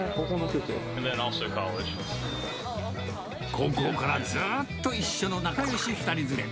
高校からずっと一緒の仲よし２人連れ。